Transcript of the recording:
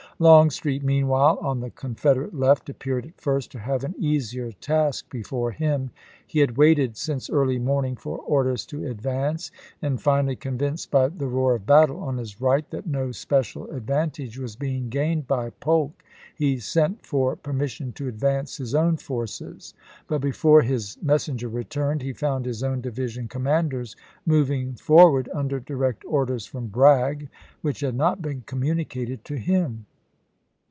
Longstreet, meanwhile, on the Confederate left, appeared at first to have an easier task before him. He had waited since early morning for orders to advance, and finally convinced by the roar of battle on his right that no special advan tage was being gained by Polk, he sent for permis sion to advance his own forces; but, before his messenger returned, he found his own division commanders moving forward under dkect orders from Bragg, which had not been communicated to him.